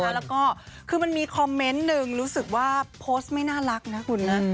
แล้วก็คือมันมีคอมเมนต์หนึ่งรู้สึกว่าโพสต์ไม่น่ารักนะคุณนะ